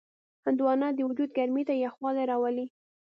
هندوانه د وجود ګرمۍ ته یخوالی راولي.